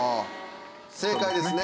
正解ですね。